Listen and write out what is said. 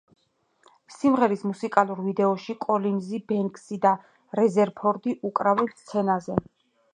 სიმღერის მუსიკალურ ვიდეოში კოლინზი, ბენქსი და რეზერფორდი უკრავენ სცენაზე.